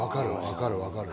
分かる分かる。